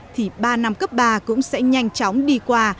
thì ba năm cấp ba cũng sẽ nhanh chóng đi qua